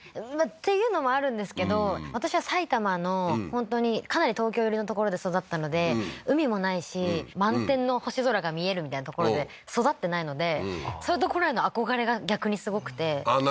っていうのもあるんですけど私は埼玉の本当にかなり東京寄りの所で育ったので海もないし満天の星空が見えるみたいな所で育ってないのでそういう所への憧れが逆にすごくてなるほど